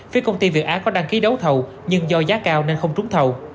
phía công ty việt á có đăng ký đấu thầu nhưng do giá cao nên không trúng thầu